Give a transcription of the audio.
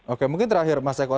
oke mungkin terakhir mas eko